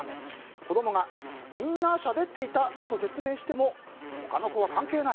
子供がみんなしゃべっていたと説明しても他の子は関係ない。